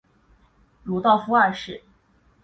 鲁道夫二世。